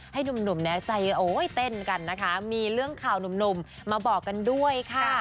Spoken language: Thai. หนุ่มเนี่ยใจเต้นกันนะคะมีเรื่องข่าวหนุ่มมาบอกกันด้วยค่ะ